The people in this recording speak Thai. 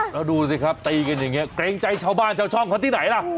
แล้วดูสิครับตีกันอย่างนี้เกรงใจชาวบ้านชาวช่องเขาที่ไหนล่ะ